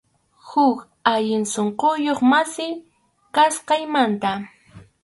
Huk allin sunquyuq masi, kasqaymanta.